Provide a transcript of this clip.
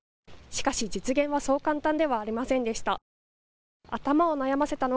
しかし実現はそう簡単ではありませんでした。